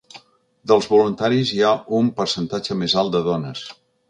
Dels voluntaris hi ha un percentatge més alt de dones.